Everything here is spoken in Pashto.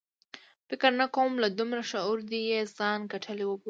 فکر نه کوم له دومره شعور دې یې ځان ګټلی وبولي.